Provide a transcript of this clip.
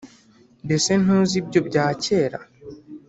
“mbese ntuzi ibyo bya kera,